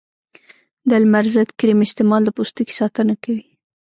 د لمر ضد کریم استعمال د پوستکي ساتنه کوي.